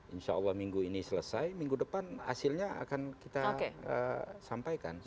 insya allah minggu ini selesai minggu depan hasilnya akan kita sampaikan